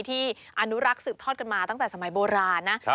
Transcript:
ที่อนุรักษ์สืบทอดกันมาตั้งแต่สมัยโบราณนะ